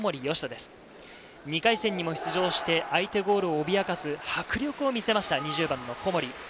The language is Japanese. ２回戦も出場して相手ゴールを脅かす迫力を見せました、２０番の小森。